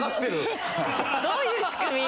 どういう仕組み？